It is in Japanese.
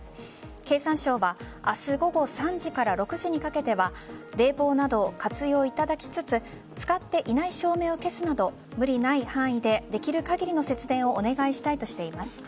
経産省は明日午後３時から６時にかけては冷房などを活用いただきつつ使っていない照明を消すなど無理ない範囲でできる限りの節電をお願いしたいとしています。